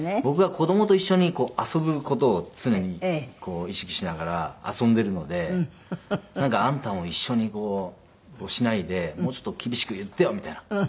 僕は子どもと一緒に遊ぶ事を常に意識しながら遊んでるので「あんたも一緒にしないでもうちょっと厳しく言ってよ」みたいな。